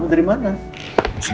kamu dari mana